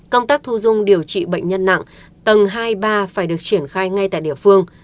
công tác thu dung điều trị bệnh nhân nặng tầng hai ba phải được triển khai ngay tại địa phương